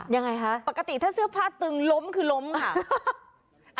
ยังไงคะปกติถ้าเสื้อผ้าตึงล้มคือล้มค่ะ